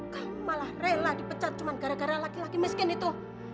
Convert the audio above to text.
kamu malah rela dipecat cuma gara gara laki laki miskin itu